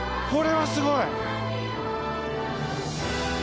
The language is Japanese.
これはすごい！